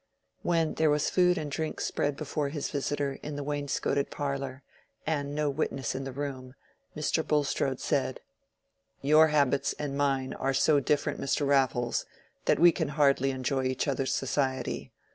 When there was food and drink spread before his visitor in the wainscoted parlor, and no witness in the room, Mr. Bulstrode said— "Your habits and mine are so different, Mr. Raffles, that we can hardly enjoy each other's society.